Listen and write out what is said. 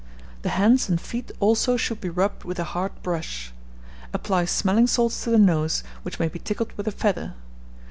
The hands and feet also should be rubbed with a hard brush. Apply smelling salts to the nose, which may be tickled with a feather.